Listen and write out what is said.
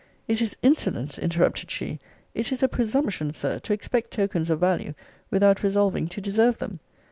It is insolence, interrupted she, it is a presumption, Sir, to expect tokens of value, without resolving to deserve them.